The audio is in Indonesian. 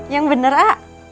yang bener a'a